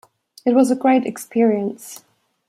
It was a great experience.